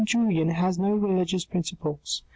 Julien has no religious principles.